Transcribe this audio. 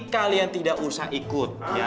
kalian tidak usah ikut